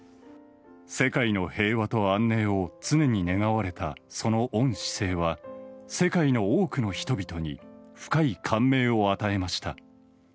世界の平和と安寧を常に願われたその御姿勢は、世界の多くの人々に深い感銘を与えました。